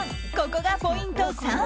ここがポイント３。